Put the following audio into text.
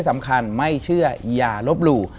สำคัญไม่เชื่อยาลบหลู่